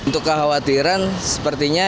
untuk khawatiran sepertinya